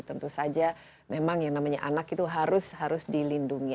tentu saja memang yang namanya anak itu harus dilindungi